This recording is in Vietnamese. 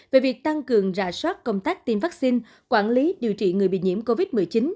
về việc tăng cường rà soát công tác tiêm vaccine quản lý điều trị người bị nhiễm covid một mươi chín